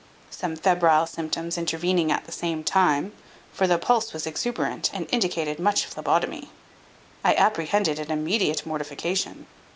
Some febrile symptoms intervening at the same time (for the pulse was exuberant and indicated much phlebotomy), I apprehended an immediate mortification.